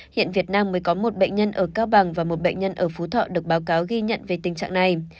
hiện việt nam mới có một bệnh nhân ở cao bằng và một bệnh nhân ở phú thọ được báo cáo ghi nhận về tình trạng này